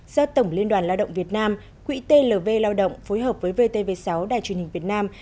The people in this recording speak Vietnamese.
do tổng liên đoàn lao động việt nam quỹ tv lao động phối hợp với vtv sáu đài truyền hình việt nam